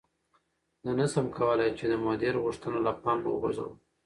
زه نشم کولی چې د مدیر غوښتنه له پامه وغورځوم.